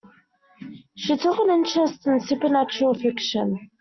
She took an interest in supernatural fiction.